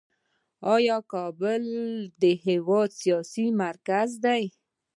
آیا کابل د هیواد سیاسي مرکز دی؟